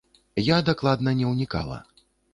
Я дакладна не ўнікала.